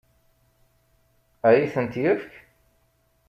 Ad iyi-tent-yefk?